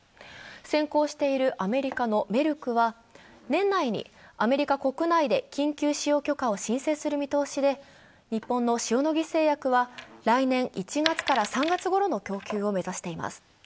先行しているアメリカのメルクは、年内にアメリカ国内で緊急使用許可を申請する見通しで、日本の塩野義製薬は来年１月から３月ごろの供給を目指しています。